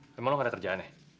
emang lo enggak ada kerjaan ya